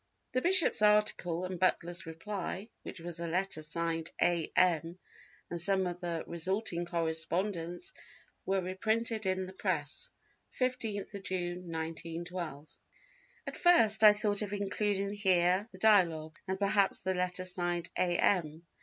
The bishop's article and Butler's reply, which was a letter signed A. M. and some of the resulting correspondence were reprinted in the Press, 15th June, 1912. At first I thought of including here the Dialogue, and perhaps the letter signed A. M.